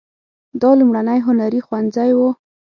دا لومړنی هنري ښوونځی و.